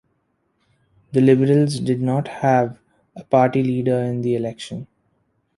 The Liberals did not have a party leader in the election.